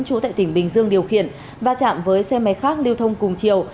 trú tại tỉnh bình dương điều khiển và chạm với xe máy khác liêu thông cùng chiều